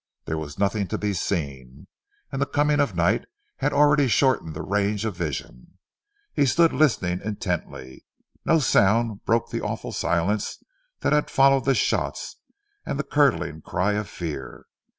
There was nothing to be seen, and the coming of night had already shortened the range of vision. He stood listening intently. No sound broke the awful silence that had followed the shots and the curdling cry of fear.